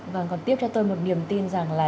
vâng còn tiếp cho tôi một niềm tin rằng là